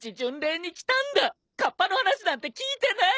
かっぱの話なんて聞いてない！